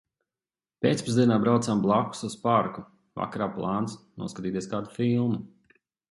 Pēcpusdienā braucām blakus uz parku. Vakarā plāns noskatīties kādu filmu.